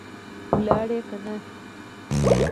ولاړې که نه؟